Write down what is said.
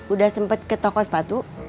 udah sempet ke toko sepatu